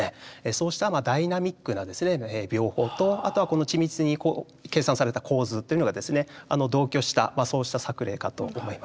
そうしたダイナミックな描法とあとはこの緻密に計算された構図というのが同居したそうした作例かと思います。